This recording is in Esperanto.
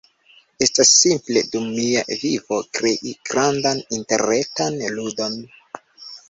estas simple dum mia vivo krei grandan interretan ludon